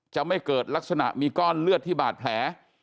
จะไม่เกิดลักษณะมีก้อนเลือดที่บาดแผล